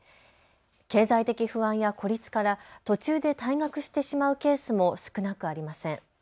経済的不安や孤立から途中で退学してしまうケースも少なくありません。